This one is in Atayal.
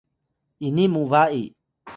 ini mu ba’i